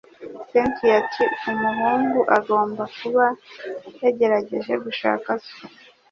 Cynthia ati: "Umuntu agomba kuba yagerageje gushaka so."